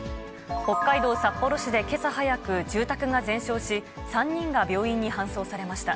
北海道札幌市でけさ早く、住宅が全焼し、３人が病院に搬送されました。